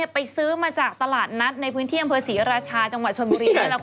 ไปซื้อมาจากตลาดนัดในพื้นเที่ยงเผอร์ศรีรัชาจังหวัดชนมุรี